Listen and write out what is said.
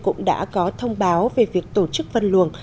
cũng đã có thông báo về việc tổ chức văn luồng